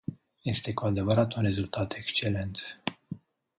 Este cu adevărat un rezultat excelent.